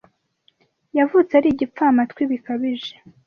Yavutse ari igipfamatwi bikabije